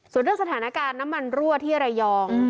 ส่วนเรื่องสถานการณ์น้ำมันรั่วที่ระยอง